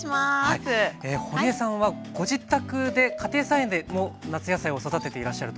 ほりえさんはご自宅で家庭菜園でも夏野菜を育てていらっしゃると。